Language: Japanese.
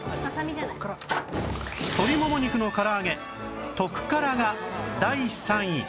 鶏もも肉のから揚げ特からが第３位